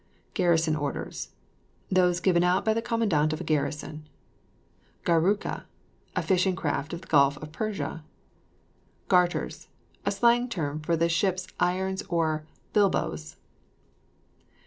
GARRISON ORDERS. Those given out by the commandant of a garrison. GARROOKA. A fishing craft of the Gulf of Persia. GARTERS. A slang term for the ship's irons or bilboes.